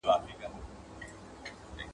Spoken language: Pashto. • چي د گيدړي په جنگ ځې، تايه به د زمري نيسې.